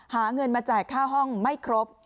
หาเงินมาจ่ายค่าห้องไม่ครบ